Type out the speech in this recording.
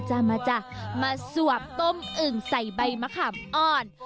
ห้ามาจ้างั้นมาสวบต้มอึ่งใส่ใบมะคามอ่อน